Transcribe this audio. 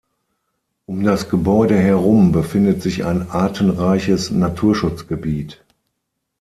Um das Gebäude herum befindet sich ein artenreiches Naturschutzgebiet.